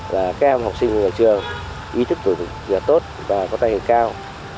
là các em học sinh ở trường ý thức tốt và có tài hợp cao